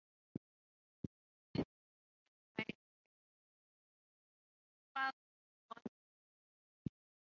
The school is operated by the Ehime Prefectural Board of Education.